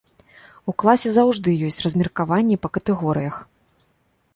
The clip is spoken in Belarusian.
У класе заўжды ёсць размеркаванне па катэгорыях.